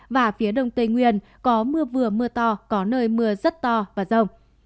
và phía đông tây nguyên có mưa vừa mưa to có nơi mưa rất to và rông